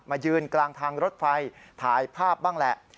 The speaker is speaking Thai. ยืนกลางทางรถไฟถ่ายภาพบ้างแหละ